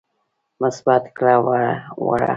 مثبت کړه وړه